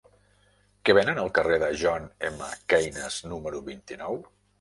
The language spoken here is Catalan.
Què venen al carrer de John M. Keynes número vint-i-nou?